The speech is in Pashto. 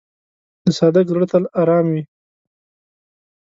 د صادق زړه تل آرام وي.